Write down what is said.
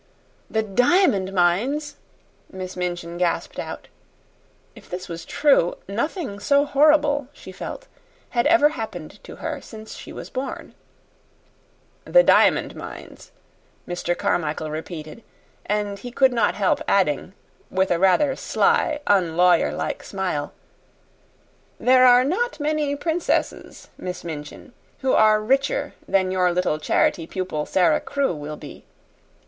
"The diamond mines!" Miss Minchin gasped out. If this was true, nothing so horrible, she felt, had ever happened to her since she was born. "The diamond mines," Mr. Carmichael repeated, and he could not help adding, with a rather sly, unlawyer like smile, "There are not many princesses, Miss Minchin, who are richer than your little charity pupil, Sara Crewe, will be.